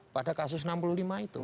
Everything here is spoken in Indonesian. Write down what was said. pada kasus enam puluh lima itu